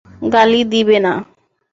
গালি দিবে না।